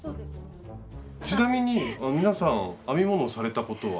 ちなみに皆さん編み物をされたことは？